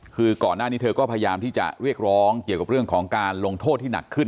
คือก่อนหน้านี้เธอก็พยายามที่จะเรียกร้องเกี่ยวกับเรื่องของการลงโทษที่หนักขึ้น